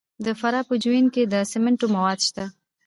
د فراه په جوین کې د سمنټو مواد شته.